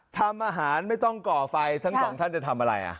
ทำอาหารไม่ต้องก่อไฟทั้งสองท่านจะทำอะไร